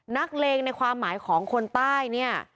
เลงในความหมายของคนใต้เนี่ย